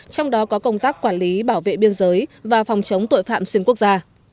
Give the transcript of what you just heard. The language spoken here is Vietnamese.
trong đó có công tác quản lý bảo vệ biên giới và phòng chống tội phạm xuyên quốc gia